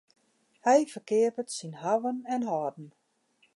Hy ferkeapet syn hawwen en hâlden.